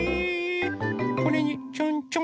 これにちょんちょん。